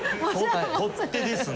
取っ手ですね。